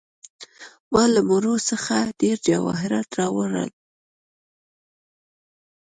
ما له مړو څخه ډیر جواهرات راوړل.